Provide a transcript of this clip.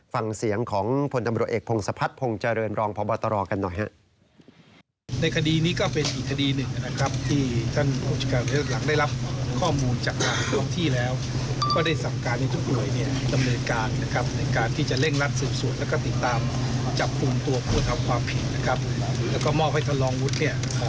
ฟังเสียงของพลตำรวจเอกพงศพัฒน์พงศ์เจริญรองพบตรกันหน่อยครับ